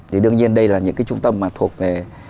thì đương nhiên đây là những cái trung tâm mà thuộc về